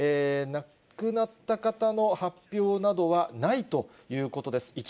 亡くなった方の発表などはないということです。